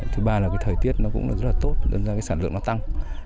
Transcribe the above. thứ ba là cái thời tiết nó cũng rất là tốt nên do cái sản lượng nó tăng